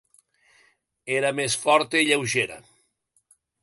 Era més forta i lleugera.